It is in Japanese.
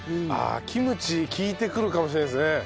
ああキムチ利いてくるかもしれないですね。